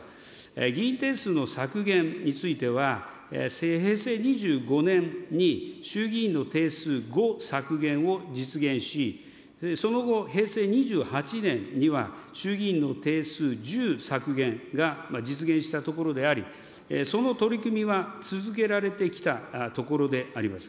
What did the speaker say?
議員定数の削減については、平成２５年に衆議院の定数５削減を実現し、その後、平成２８年には衆議院の定数１０削減が実現したところであり、その取り組みは続けられてきたところであります。